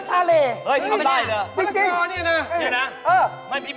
แปลหรอจริง